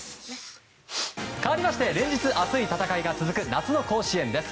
かわりまして、連日熱い戦いが続く夏の甲子園です。